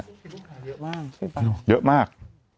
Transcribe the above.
เยอะมาก